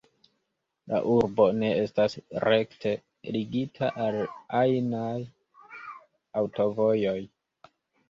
La urbo ne estas rekte ligita al ajnaj aŭtovojoj.